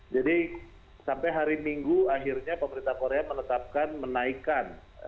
jadi sampai hari minggu akhirnya pemerintah korea menetapkan menaikkan